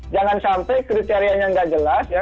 jangan sampai kriteriannya nggak jelas